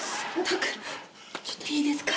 ちょっといいですか？